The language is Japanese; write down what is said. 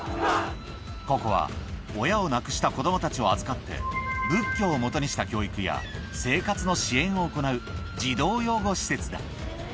ここは親を亡くした子どもたちを預かって、仏教をもとにした教育や生活の支援を行う児童養護施設だ。